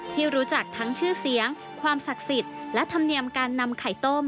ที่รู้จักทั้งชื่อเสียงความศักดิ์สิทธิ์และธรรมเนียมการนำไข่ต้ม